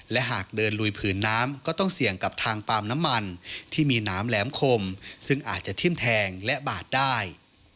และหากเดินลุยผืนน้ำก็ต้องเสี่ยงกับทางปาล์มน้ำมันที่มีน้ำแหลมคมซึ่งอาจจะทิ้มแทงและบาดได้